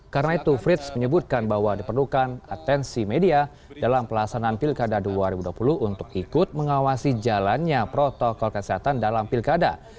karena itu frits menyebutkan bahwa diperlukan atensi media dalam pelaksanaan pilkada dua ribu dua puluh untuk ikut mengawasi jalannya protokol kesehatan dalam pilkada